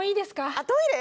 あっトイレ？